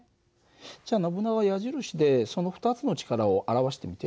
じゃあノブナガ矢印でその２つの力を表してみて。